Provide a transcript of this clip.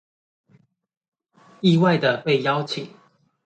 意外的被邀請